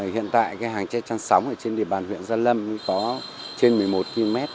hiện tại hàng tre chăn sóng trên địa bàn huyện gia lâm có trên một mươi một km